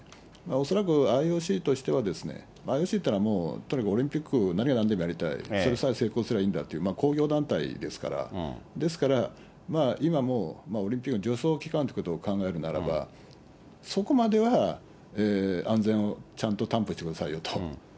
恐らくＩＯＣとしては、ＩＯＣってのはもう、とにかくオリンピックを、何がなんでもやりたい、それさえ成功すればいいんだという興行団体ですから、ですから、今もう、オリンピックの助走期間ということを考えるならば、そこまでは安全をちゃんと担保してくださいよと。